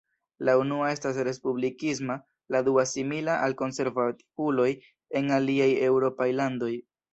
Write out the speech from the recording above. La unua estas respublikisma, la dua simila al konservativuloj en aliaj eŭropaj landoj.